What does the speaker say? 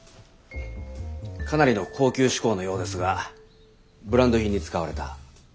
かなりの高級志向のようですがブランド品に使われた？